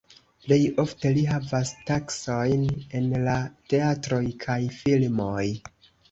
Plej ofte li havas taskojn en la teatroj kaj filmoj.